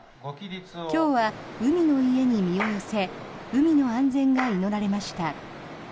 今日は海の家に身を寄せ海の安全が祈られました。